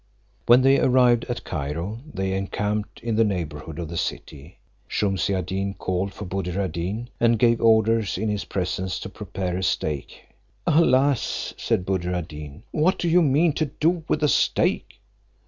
When they arrived at Cairo, they encamped in the neighbourhood of the city; Shumse ad Deen called for Buddir ad Deen, and gave orders, in his presence, to prepare a stake. "Alas!" said Buddir ad Deen, "what do you mean to do with a stake?"